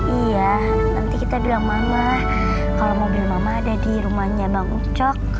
iya nanti kita bilang mama kalau mobil mama ada di rumahnya bang ucok